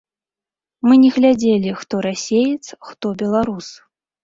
Мы не глядзелі, хто расеец, хто беларус.